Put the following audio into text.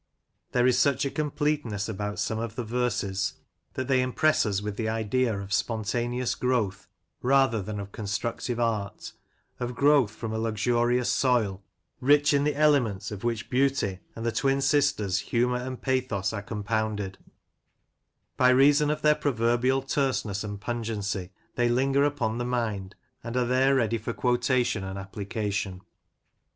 There is such a completeness about some of the verses, that they impress us with the idea of spontaneous growth, rather than of constructive art — of growth from a luxurious soil, rich in the elements of which beauty, and the twin sisters humour and pathos, are compounded By reason of their proverbial terseness and pungency, they linger upon the mind, and are there ready for quotation and application.